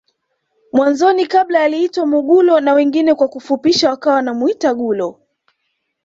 Mwanzoni kabla aliitwa Mugulo na wengine kwa kufupisha wakawa wanamuita gulo